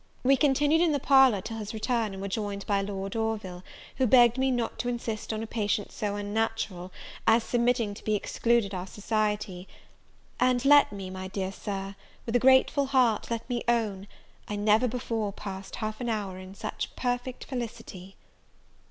We continued in the parlour till his return, and were joined by Lord Orville, who begged me not to insist on a patience so unnatural, as submitting to be excluded our society. And let me, my dear Sir, with a grateful heart let me own, I never before passed half an hour in such perfect felicity.